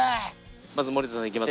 まず森田さんいきます？